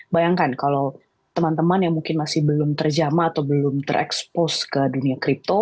bayangkan kalau teman teman yang mungkin masih belum terjama atau belum terekspos ke dunia crypto